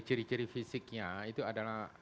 ciri ciri fisiknya itu adalah